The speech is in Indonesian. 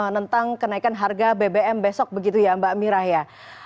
tentang kenaikan harga bbm besok begitu ya mbak mira ya